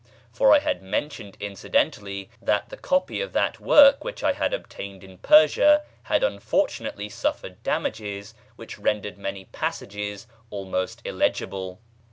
]; for I had mentioned incidentally that the copy of that work which I had obtained in Persia had unfortunately suffered damages which rendered many passages almost illegible.